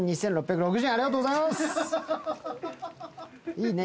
いいね。